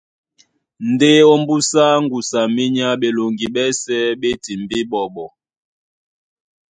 Ndé ómbúsá ŋgusu a minyá ɓeloŋgi ɓɛ́sɛ̄ ɓé timbí ɓɔɓɔ.